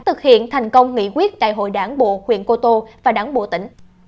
thực hiện thành công nghị quyết đại hội đảng bộ huyện cô tô và đảng bộ tỉnh